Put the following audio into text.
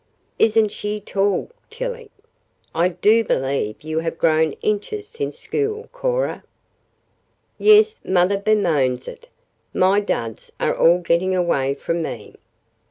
Isn't she tall, Tillie? I do believe you have grown inches since school, Cora." "Yes, mother bemoans it. My duds are all getting away from me."